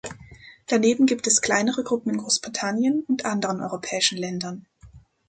Daneben gibt es kleinere Gruppen in Großbritannien und anderen europäischen Ländern.